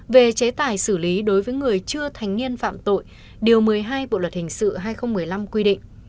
về chế tài xử lý đối với người chưa thành niên phạm tội điều một mươi hai bộ luật hình sự hai nghìn một mươi năm quy định